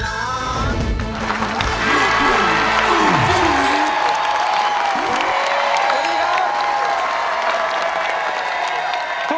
สวัสดีครับ